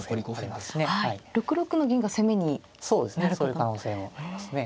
そういう可能性もありますね。